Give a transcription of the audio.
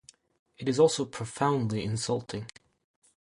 It is also profoundly insulting.